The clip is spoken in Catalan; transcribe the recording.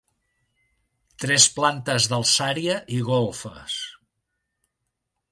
Tres plantes d'alçària i golfes.